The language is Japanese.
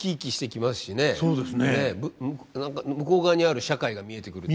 何か向こう側にある社会が見えてくる。